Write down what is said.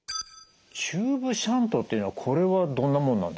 チューブシャントというのはこれはどんなものなんですか？